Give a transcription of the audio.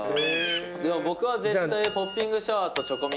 僕は絶対ポッピングシャワーとチョコミントです。